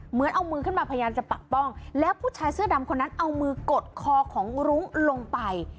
เหมือนเอามือขึ้นมาพยายามจะปักป้องแล้วผู้ชายเสื้อดำคนนั้นเอามือกดคอของรุ้งลงไป